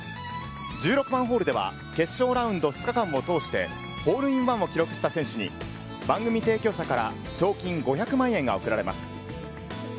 １６番ホールでは決勝ラウンド２日間を通してホールインワンを記録した選手に番組提供社から賞金５００万円が贈られます。